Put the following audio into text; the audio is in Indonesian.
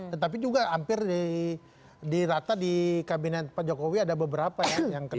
tetapi juga hampir di rata di kabinet pak jokowi ada beberapa ya yang kena